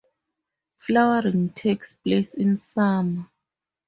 Flowering takes place in summer.